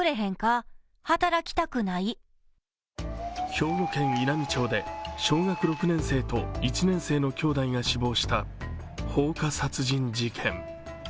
兵庫県稲美町で小学６年生と１年生の兄弟が死亡した放火殺人事件。